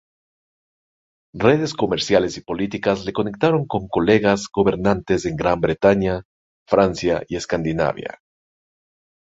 Redes comerciales y políticas le conectaron con colegas-gobernantes en Gran Bretaña, Francia, y Escandinavia.